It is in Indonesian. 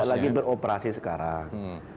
tidak lagi beroperasi sekarang